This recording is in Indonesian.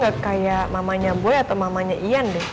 kayak mamanya boy atau mamanya ian deh